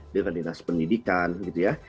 dengan dinas pendidikan gitu ya